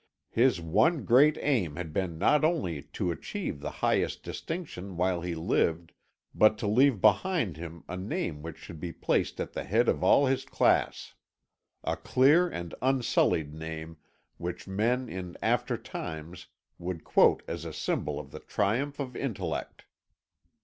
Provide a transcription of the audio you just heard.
His one great aim had been not only to achieve the highest distinction while he lived, but to leave behind him a name which should be placed at the head of all his class a clear and unsullied name which men in after times would quote as a symbol of the triumph of intellect.